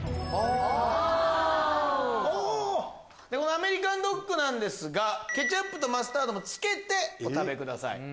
アメリカンドッグなんですがケチャップとマスタードもつけてお食べください。